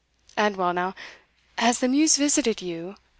And well now has the Muse visited you?